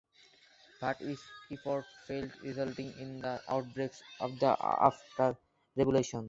But his efforts failed resulting in the outbreak of the Aster Revolution.